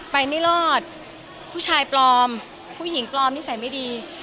ไม่รอดผู้ชายปลอมผู้หญิงปลอมนิสัยไม่ดี